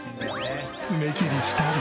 爪切りしたり。